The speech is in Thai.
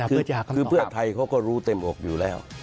คือเพื่อไทยเขาก็รู้เต็มอกอยู่แล้ว